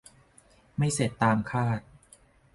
ไม่เสร็จตามคาด